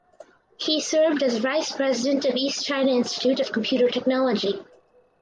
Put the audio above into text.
He served as Vice President of East China Institute of Computer Technology.